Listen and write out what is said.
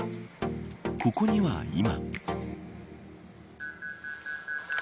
ここには今。